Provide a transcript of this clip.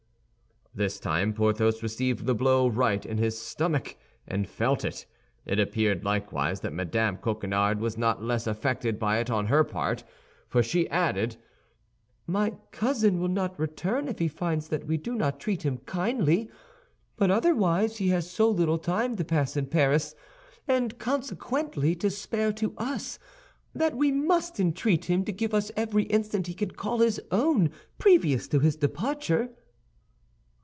This time Porthos received the blow right in his stomach, and felt it. It appeared likewise that Mme. Coquenard was not less affected by it on her part, for she added, "My cousin will not return if he finds that we do not treat him kindly; but otherwise he has so little time to pass in Paris, and consequently to spare to us, that we must entreat him to give us every instant he can call his own previous to his departure."